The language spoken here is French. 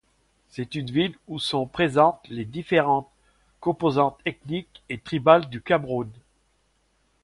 C’est une ville où sont présentes les différentes composantes ethniques et tribales du Cameroun.